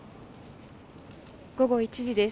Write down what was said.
午後１時です。